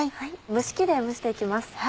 蒸し器で蒸して行きます。